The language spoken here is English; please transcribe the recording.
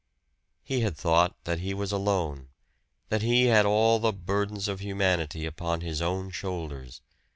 He had thought that he was alone, that he had all the burdens of humanity upon his own shoulders!